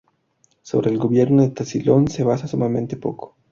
Sobre el gobierno de Tasilón se base sumamente poco.